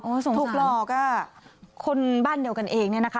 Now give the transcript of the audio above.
โอ้ยสงสารถูกหลอกอ่ะคนบ้านเดียวกันเองเนี้ยนะคะ